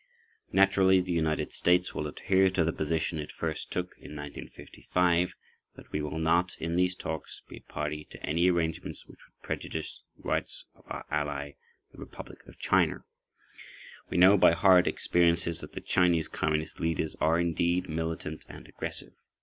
Naturally, the United States will adhere to the position it first took in 1955, that we will not in these talks be a party to any arrangements which would prejudice rights of our ally, the Republic of China. We know by hard experiences that the Chinese Communist leaders are indeed militant and aggressive.